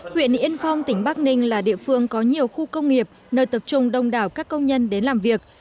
huyện yên phong tỉnh bắc ninh là địa phương có nhiều khu công nghiệp nơi tập trung đông đảo các công nhân đến làm việc